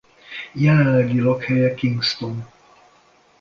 Jelenlegi lakhelye Kingston.